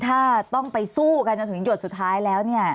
ถ้าต้องไปสู้กันจนถึงหยดสุดท้ายแล้วเนี่ย